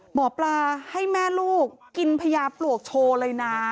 หมอปลาให้แม่ลูกกินพญาปลวกโชว์เลยนะ